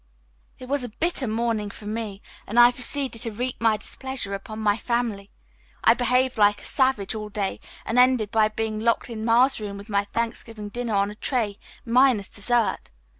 "It was a bitter morning for me, and I proceeded to wreak my displeasure upon my family. I behaved like a savage all day and ended by being locked in Ma's room with my Thanksgiving dinner on a tray, minus dessert.